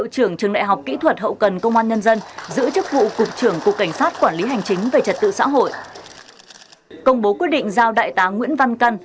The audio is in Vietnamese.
trường đại học kỹ thuật hậu cần công an nhân dân